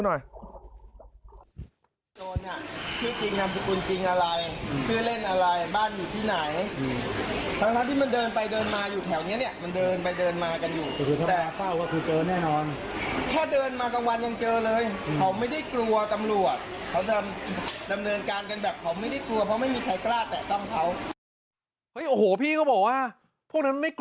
หรือหรือหรือหรือหรือหรือหรือหรือหรือหรือหรือหรือหรือหรือหรือหรือหรือหรือหรือหรือหรือหรือหรือหรือหรือหรือหรือหรือ